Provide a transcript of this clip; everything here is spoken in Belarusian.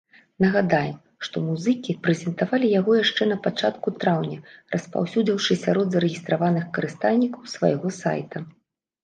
Нагадаем, што музыкі прэзентавалі яго яшчэ напачатку траўня, распаўсюдзіўшы сярод зарэгістраваных карыстальнікаў свайго сайта.